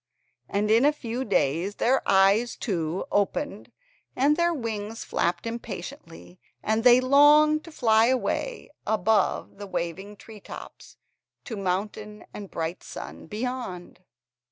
And in a few days their eyes, too, opened and their wings flapped impatiently, and they longed to fly away above the waving tree tops to mountain and the bright sun beyond.